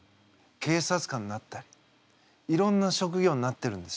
警察官になったりいろんな職業になってるんですよ。